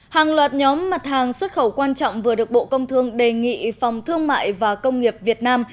hàng loạt nhóm mặt hàng xuất khẩu quan trọng vừa được bộ công thương đề nghị phòng thương mại và công nghiệp việt nam